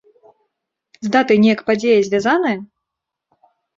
З датай неяк падзея звязаная?